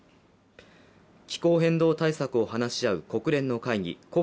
気候変動対策を話し合う国連の会議